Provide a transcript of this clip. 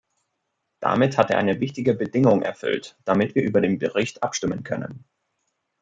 Damit hat er eine wichtige Bedingung erfüllt, damit wir über den Bericht abstimmen können.